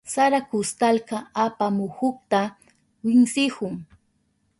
Sara kustalka apamuhukta winsihun.